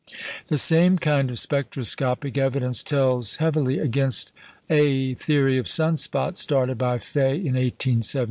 The same kind of spectroscopic evidence tells heavily against a theory of sun spots started by Faye in 1872.